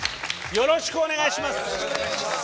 よろしくお願いします。